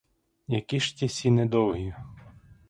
Які ж ті сіни довгі!